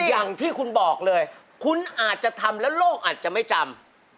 อย่างที่คุณบอกเลยคุณอาจจะทำแล้วโลกอาจจะไม่จำ